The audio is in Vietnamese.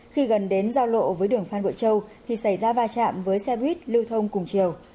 khi gần đến giao lộ với đường phan bội châu thì xảy ra va chạm với xe buýt lưu thông cùng chiều